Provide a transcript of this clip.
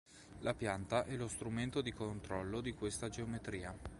La pianta è lo strumento di controllo di questa geometria.